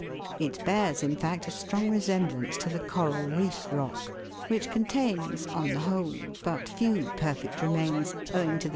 It bears, in fact, a strong resem blance to the coral reef rock, which contains on the whole but few perfect remains, owing to the.